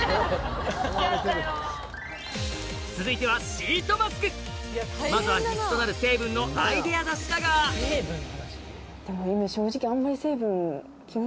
続いてはまずは必須となる成分のアイデア出しだがでも今正直あんまり。